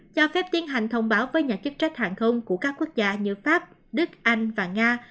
cho phép tiến hành thông báo với nhà chức trách hàng không của các quốc gia như pháp đức anh và nga